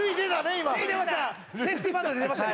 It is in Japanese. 今塁出ましたセーフティーバントで出ました